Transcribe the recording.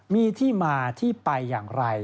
มีที่มาที่ไปอย่างไร